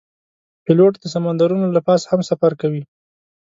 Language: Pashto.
پیلوټ د سمندرونو له پاسه هم سفر کوي.